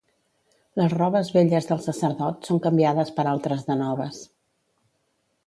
Les robes velles del sacerdot són canviades per altres de noves.